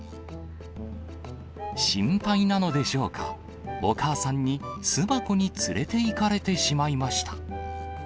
心配なのでしょうか、お母さんに巣箱に連れていかれてしまいました。